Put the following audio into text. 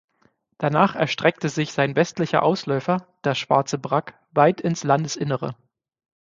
Danach erstreckte sich sein westlicher Ausläufer, das Schwarze Brack, weit ins Landesinnere.